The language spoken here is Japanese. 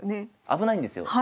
危ないんですよ。